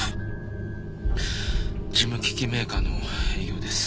事務機器メーカーの営業です。